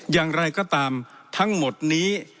อย่างไรก็ตามทั้งหมดนี้